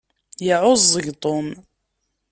Yeεεuẓẓeg Tom.